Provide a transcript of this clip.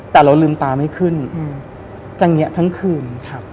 แต่เราลืมตาไม่ขึ้นจังเงี๊ยะทั้งคืน